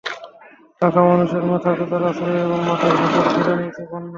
লাখো মানুষের মাথা গোঁজার আশ্রয় এবং মাঠের ফসল কেড়ে নিয়েছে বন্যা।